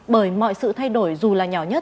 bởi mọi sự thay đổi dù là nhỏ nhất